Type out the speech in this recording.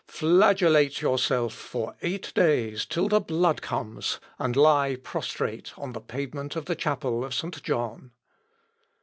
"Flagellate yourself for eight days till the blood comes, and lie prostrate on the pavement of the chapel of St. John."